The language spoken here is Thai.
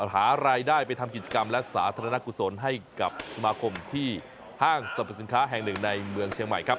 หารายได้ไปทำกิจกรรมและสาธารณกุศลให้กับสมาคมที่ห้างสรรพสินค้าแห่งหนึ่งในเมืองเชียงใหม่ครับ